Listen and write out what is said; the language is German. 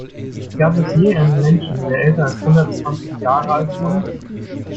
Gab es je einen Menschen, der älter als hundertzwanzig Jahre alt wurde?